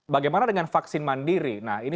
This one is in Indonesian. bagaimana dengan vaksin mandiri nah ini